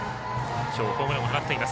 きょうホームランを放っています。